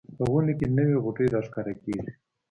په ونو کې نوې غوټۍ راښکاره کیږي